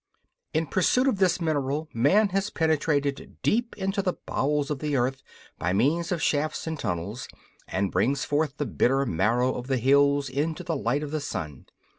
In pursuit of this mineral Man has penetrated deep into the bowels of the earth by means of shafts and tunnels, and brings forth the bitter marrow of the hills into the light of the sun.